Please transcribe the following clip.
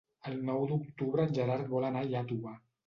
El nou d'octubre en Gerard vol anar a Iàtova.